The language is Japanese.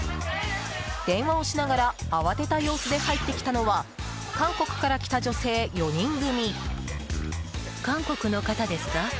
電話をしながら慌てた様子で入ってきたのは韓国から来た女性４人組。